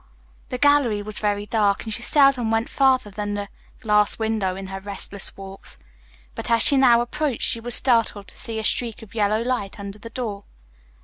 The gallery was very dark, and she seldom went farther than the last window in her restless walks, but as she now approached she was startled to see a streak of yellow light under the door.